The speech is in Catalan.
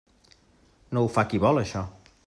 No ho fa qui vol això.